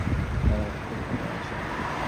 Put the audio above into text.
হ্যাঁ, আমার একটা পরিকল্পনা আছে।